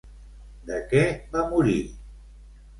De què va morir?